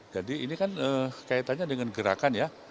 jadi ini kan kaitannya dengan gerakan ya